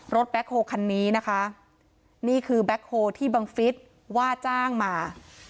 แบ็คโฮคันนี้นะคะนี่คือแบ็คโฮที่บังฟิศว่าจ้างมา